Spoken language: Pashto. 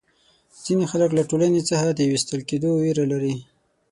ځینې خلک له ټولنې څخه د وېستل کېدو وېره لري.